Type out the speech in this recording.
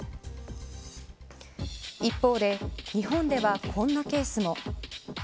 一方で日本ではこんなケースも。